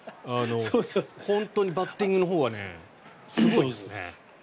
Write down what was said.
本当にバッティングのほうはすごいですね。